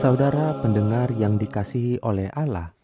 saudara pendengar yang dikasihi oleh allah